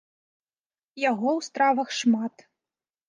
Яго ў стравах шмат.